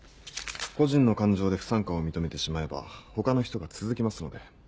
個人の感情で不参加を認めてしまえば他の人が続きますので。